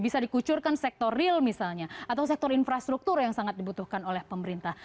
bisa dikucurkan sektor real misalnya atau sektor infrastruktur yang sangat dibutuhkan oleh pemerintah